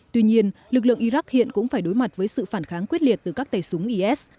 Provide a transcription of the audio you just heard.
tuy nhiên lực lượng iraq hiện cũng phải đối mặt với sự phản kháng quyết liệt từ các tay súng is